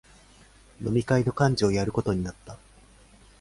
飲み会の幹事をやることになった